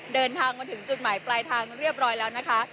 เดินทางมาถึงจุดหมายปลายทางเรียบร้อยแล้วนะคะ